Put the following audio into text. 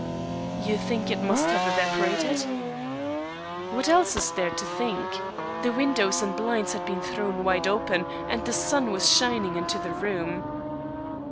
"You think it must have evaporated?" "What else is there to think? The windows and blinds had been thrown wide open, and the sun was shining into the room."